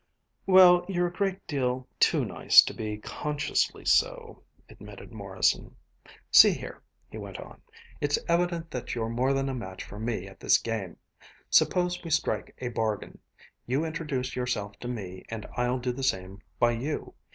"Well, you're a great deal too nice to be consciously so," admitted Morrison. "See here," he went on, "it's evident that you're more than a match for me at this game. Suppose we strike a bargain. You introduce yourself to me and I'll do the same by you.